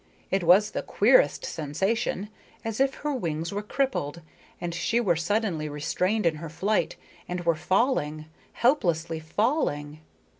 It was the queerest sensation, as if her wings were crippled and she were suddenly restrained in her flight, and were falling, helplessly falling.